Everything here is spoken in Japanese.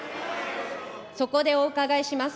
そこでお伺いします。